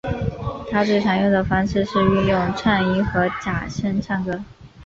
他最常用的方式是运用颤音和假声唱歌。